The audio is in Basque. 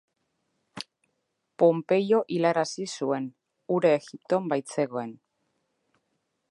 Ponpeio hilarazi zuen, hura Egipton baitzegoen.